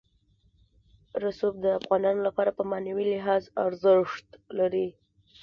رسوب د افغانانو لپاره په معنوي لحاظ ارزښت لري.